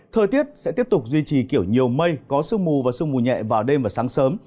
thời tiết sẽ tiếp tục duy trì kiểu nhiều mây có sương mù và sương mù nhẹ vào đêm và sáng sớm